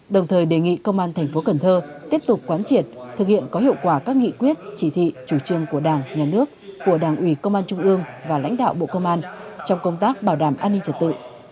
đồng thời đề nghị công an thành phố cần thơ tiếp tục quán triệt thực hiện có hiệu quả các nghị quyết chỉ thị chủ trương của đảng nhà nước của đảng ủy công an trung ương và lãnh đạo bộ công an trong công tác bảo đảm an ninh trật tự